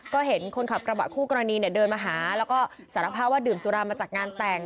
ก็เห็นคนขับกระบะคู่กรณีเนี่ยเดินมาหาแล้วก็สารภาพว่าดื่มสุรามาจากงานแต่ง